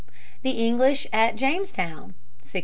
The English at Jamestown 1607.